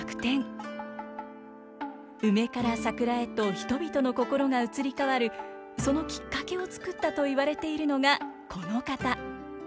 梅から桜へと人々の心が移り変わるそのきっかけを作ったといわれているのがこの方。